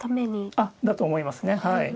あっだと思いますねはい。